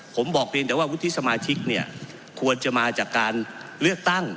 ผมบอกเพียงแต่ว่าวุฒิสมาชิกเนี่ยควรจะมาจากการเลือกตั้ง